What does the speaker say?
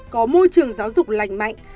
có môi trường giáo dục lành mạnh